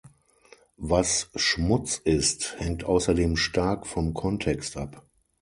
Was Schmutz ist, hängt außerdem stark vom Kontext ab.